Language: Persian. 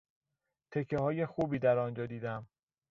تکههای خوبی در آنجا دیدم.